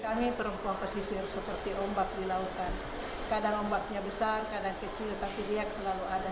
kami perempuan pesisir seperti ombak di lautan kadang ombaknya besar kadang kecil tapi dia selalu ada